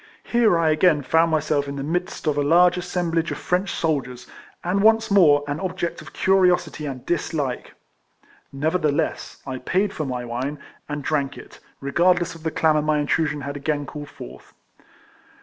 Here I again found myself in the midst of a large assemblage of French soldiers, and once more an object of curiosity and dis like. Nevertheless, I paid for my wine, and drank it, regardless of the clamour my in trusion had again called forth.